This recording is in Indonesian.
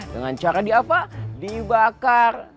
dengan cara diafa dibakar